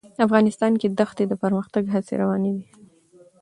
افغانستان کې د ښتې د پرمختګ هڅې روانې دي.